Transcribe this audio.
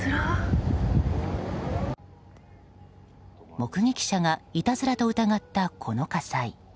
目撃者がいたずらと疑ったこの火災。